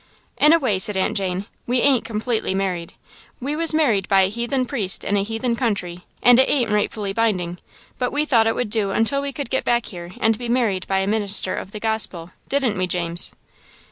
"In a way," said Aunt Jane, "we ain't completely married. We was married by a heathen priest in a heathen country and it ain't rightfully bindin', but we thought it would do until we could get back here and be married by a minister of the gospel, didn't we, James?"